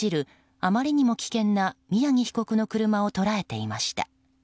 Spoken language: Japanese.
あまりにも危険な宮城被告の車を捉えていました。